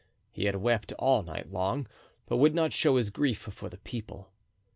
He had wept all night long, but would not show his grief before the people.